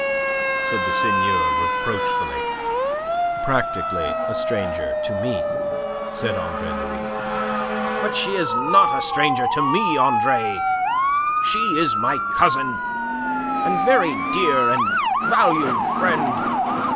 said the Seigneur reproachfully. "Practically a stranger to me," said Andre Louis. "But she is not a stranger to me, Andre. She is my cousin and very dear and valued friend.